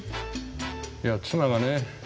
いや妻がね